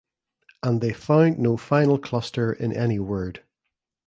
And they found no final cluster in any word.